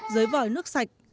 dưới vỏi nước sạch